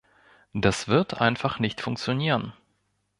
Das wird einfach nicht funktionieren.